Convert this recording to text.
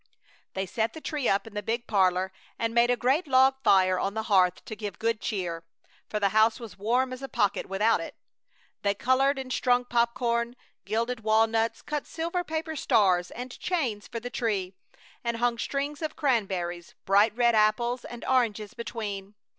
They set the tree up in the big parlor, and made a great log fire on the hearth to give good cheer for the house was warm as a pocket without it. They colored and strung popcorn, gilded walnuts, cut silver paper stars and chains for the tree, and hung strings of cranberries, bright red apples, and oranges between.